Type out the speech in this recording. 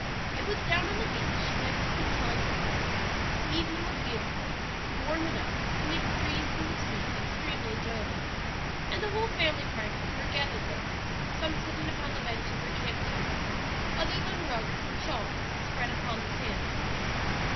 It was down on the beach Max had been telling his story; the evening was beautiful, warm enough to make the breeze from the sea extremely enjoyable, and the whole family party were gathered there, some sitting upon the benches or camp chairs, others on rugs and shawls spread upon the sand.